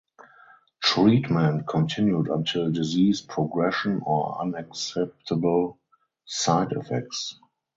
Treatment continued until disease progression or unacceptable side effects.